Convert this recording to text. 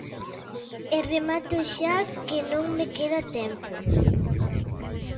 E remato xa, que non me queda tempo.